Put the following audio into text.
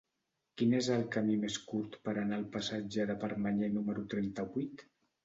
Quin és el camí més curt per anar al passatge de Permanyer número trenta-vuit?